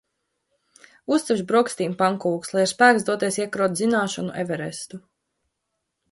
Uzcepšu brokastīm pankūkas, lai ir spēks doties iekarot zināšanu Everestu.